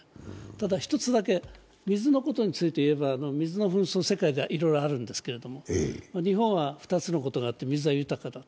ただ、一つだけ、水のことについて言えば、水の紛争は世界ではいろいろあるんですけれども、日本は２つのことがあって水は豊かだと。